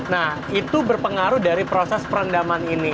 nah itu berpengaruh dari proses perendaman ini